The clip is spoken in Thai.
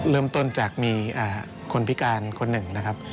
เริ่มต้นจากมีคนพิการคนหนึ่งนะครับ